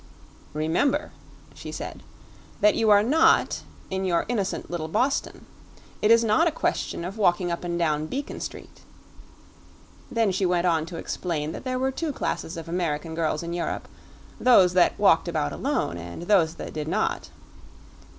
"Remember," she said, "that you are not in your innocent little Boston. It is not a question of walking up and down Beacon Street." Then she went on to explain that there were two classes of American girls in Europe those that walked about alone and those that did not.